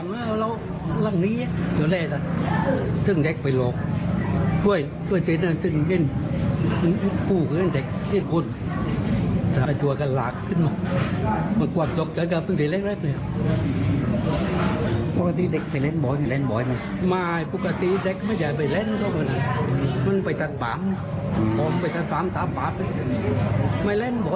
มาเล่นผม